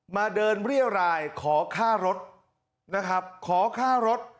เดินเรียรายขอค่ารถนะครับขอค่ารถ